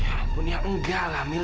ampun ya enggak lah mil